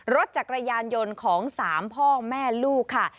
รถจักรยานยนต์ของ๓พ่อแม่ลูกค่ะ